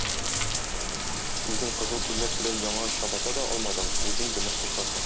Үзең кызыл күлмәк белән яңа чабата да алмадың, үзең йомыш кушасың.